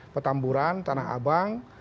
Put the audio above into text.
petamburan tanah abang